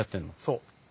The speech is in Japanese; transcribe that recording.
そう。